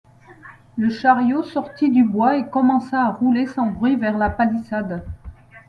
Le chariot sortit du bois et commença à rouler sans bruit vers la palissade.